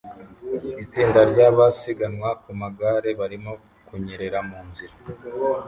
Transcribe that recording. Itsinda ryabasiganwa ku magare barimo kunyerera mu nzira